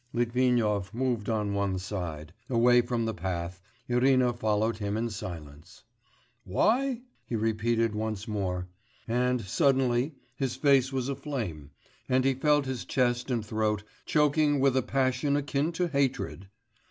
Litvinov moved on one side, away from the path, Irina followed him in silence. 'Why?' he repeated once more, and suddenly his face was aflame, and he felt his chest and throat choking with a passion akin to hatred.